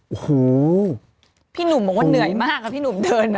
โอ้โหพี่หนุ่มบอกว่าเหนื่อยมากอะพี่หนุ่มเดิน